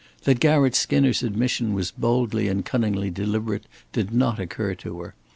That Garrett Skinner's admission was boldly and cunningly deliberate did not occur to her.